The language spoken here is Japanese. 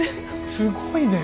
すごいねえ！